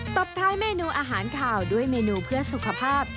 ตบท้ายเมนูอาหารขาวด้วยเมนูเพื่อสุขภาพ